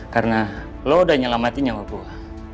karena lo udah nyelamatin nyawa gue